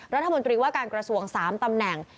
รัฐมนตรีว่าการกระทรวง๓ตำแหน่ง